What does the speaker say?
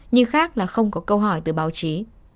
nhưng khác là không có câu hỏi từ báo chí